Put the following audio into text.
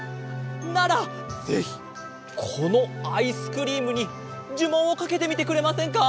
ならぜひこのアイスクリームにじゅもんをかけてみてくれませんか？